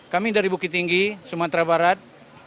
kami dari bukit tinggi sumatera barat